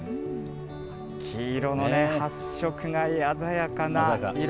黄色の発色が鮮やかな色。